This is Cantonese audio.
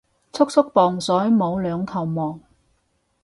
速速磅水唔好兩頭望